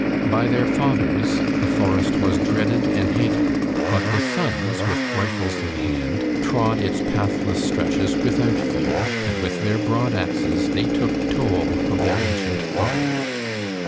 By their fathers the forest was dreaded and hated, but the sons, with rifles in hand, trod its pathless stretches without fear, and with their broad axes they took toll of their ancient foe.